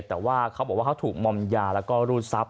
แต่เขาบอกว่าเขาถูกมมยาและรูดทรัพย์